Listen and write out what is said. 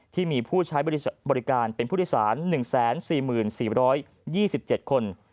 ที่มีผู้ใช้บริการเป็นผู้โดยสาร๑๔๔๒๗คน